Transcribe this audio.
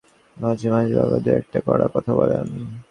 মাঝে-মাঝে বাবা দুই-একটা কড়া কথা বলেন।